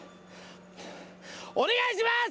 お願いします！